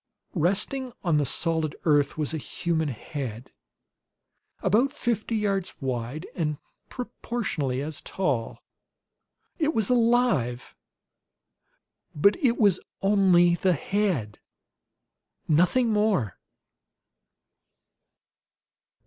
Resting on the solid earth was a human head, about fifty yards wide and proportionately as tall. It was alive; but IT WAS ONLY THE HEAD, NOTHING MORE.